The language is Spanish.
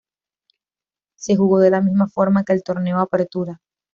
Se jugó de la misma forma que el Torneo Apertura.